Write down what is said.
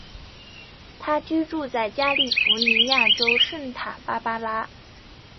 他居住在加利福尼亚州圣塔芭芭拉。